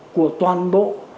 của toàn bộ